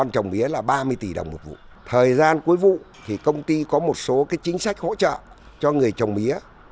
trong thời gian cuối vụ công ty có một số chính sách hỗ trợ cho người trồng mía